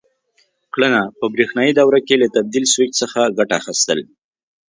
کړنه: په برېښنایي دوره کې له تبدیل سویچ څخه ګټه اخیستل: